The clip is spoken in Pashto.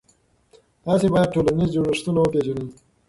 تاسې باید ټولنیز جوړښتونه وپېژنئ.